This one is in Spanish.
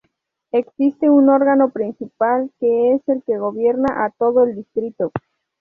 Existe un órgano principal que es el que gobierna a todo el distrito.